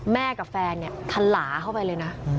แม่กับแฟนทะลาเข้าไปเลยนะ